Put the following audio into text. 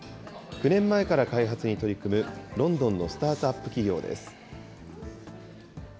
９年前から開発に取り組むロンドンのスタートアップ企業です。